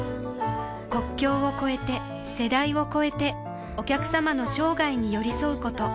国境を超えて世代を超えてお客様の生涯に寄り添うこと